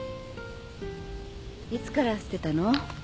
いつから吸ってたの？